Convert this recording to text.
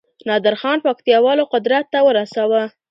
نادرخان پکتياوالو قدرت ته ورساوه